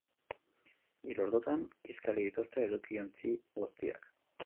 Hiru ordutan kiskali dituzte edukiontzi guztiak.